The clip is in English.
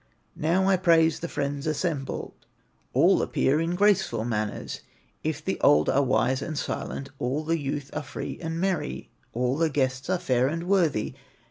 "Now I praise the friends assembled, All appear in graceful manners; If the old are wise and silent, All the youth are free and merry, All the guests are fair and worthy.